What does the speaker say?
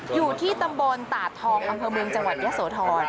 อยู่ที่ตำบลตาดทองอำเภอเมืองจังหวัดยะโสธร